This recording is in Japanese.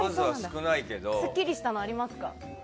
すっきりしたものありますか？